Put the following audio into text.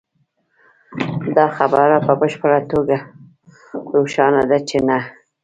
دا خبره په بشپړه توګه روښانه ده چې نه